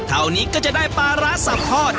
เท่านี้ก็จะได้ปลาร้าสับทอด